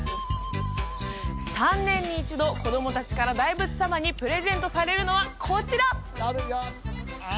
３年に一度子供達から大仏様にプレゼントされるのはこちら！